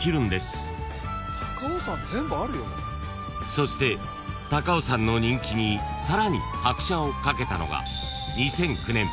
［そして高尾山の人気にさらに拍車を掛けたのが］